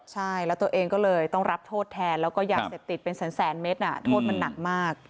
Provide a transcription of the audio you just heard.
ใช่แล้วตัวเองก็เลยต้องรับโทษแทนแล้วก็ยาเสพติดเป็นแสนเมตรโทษมันหนักมาก